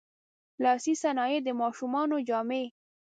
لاسي صنایع، د ماشومانو جامې.